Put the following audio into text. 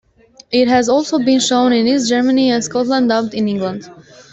It has also been shown in East Germany and Scotland dubbed in English.